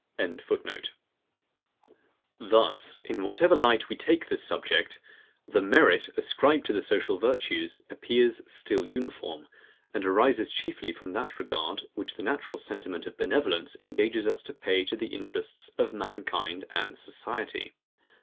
] Thus, in whatever light we take this subject, the merit, ascribed to the social virtues, appears still uniform, and arises chiefly from that regard, which the natural sentiment of benevolence engages us to pay to the interests of mankind and society.